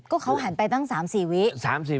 ก็เขาหันไปตั้ง๓๔วิ